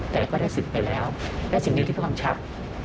แต่ก็ได้สิทธิ์ไปแล้วและสิ่งนี้ที่เป็นความชับ